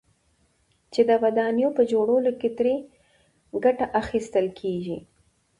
چې د ودانيو په جوړولو كې ترې گټه اخيستل كېږي،